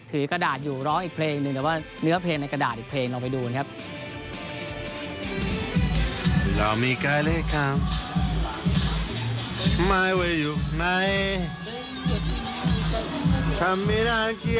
กระดาษอยู่ร้องอีกเพลงหนึ่งแต่ว่าเนื้อเพลงในกระดาษอีกเพลงลองไปดูนะครับ